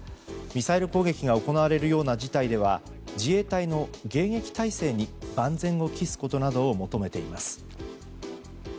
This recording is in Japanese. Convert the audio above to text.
ミサイル攻撃が行われるような事態では自衛隊の迎撃態勢に万全を期すことなどを求めています。